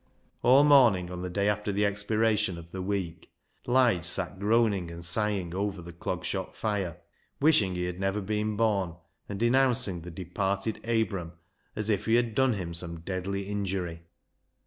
All morning on the day after the expiration of the week, Lige sat groaning and sighing over the Clog Shop fire, wishing he had never been born, and denouncing the departed Abram as if he had done him some deadly injury.